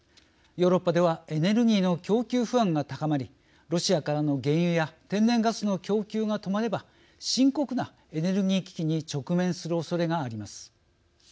ヨーロッパではエネルギーの供給不安が高まりロシアからの原油や天然ガスの供給が止まれば深刻なエネルギー危機に直面するおそれがあります。